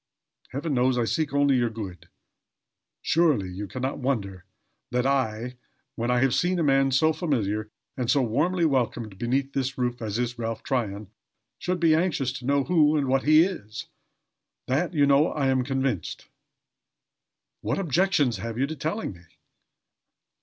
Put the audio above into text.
Heaven knows I seek only your good. Surely, you can not wonder that I, when I have seen a man so familiar and so warmly welcomed beneath this roof as is Ralph Tryon, should be anxious to know who and what he is. That, you know, I am convinced. What objections have you to telling me?"